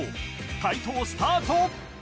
解答スタート